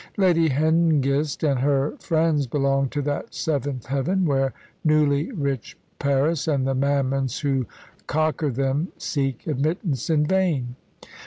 Lady Hengist and her friends belonged to that seventh heaven where newly rich Peris and the Mammons who cocker them seek admittance in vain.